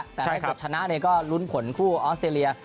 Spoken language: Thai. ใช่ครับแต่ถ้าเกิดชนะเนี่ยก็รุ้นผลคู่ออสเตรเลีย